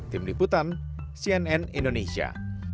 tim liputan cnn indonesia